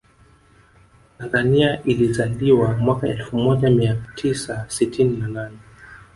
Tanzania ilizaliwa mwaka Elfu moja miatisa sitini na nne